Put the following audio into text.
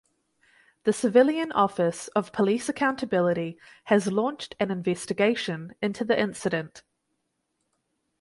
The Civilian Office of Police Accountability has launched an investigation into the incident.